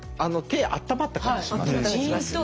手あったまった感じしません？